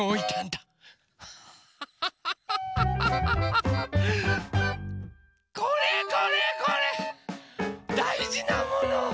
だいじなもの。